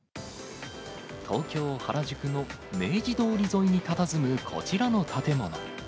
東京・原宿の明治通り沿いにたたずむこちらの建物。